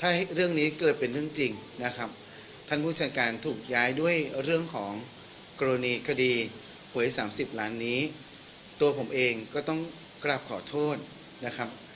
ถ้าเรื่องนี้เกิดเป็นเรื่องจริงนะครับท่านผู้จัดการถูกย้ายด้วยเรื่องของกรณีคดีหวย๓๐ล้านนี้ตัวผมเองก็ต้องกราบขอโทษนะครับ